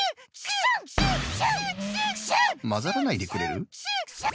まざらないでくれる？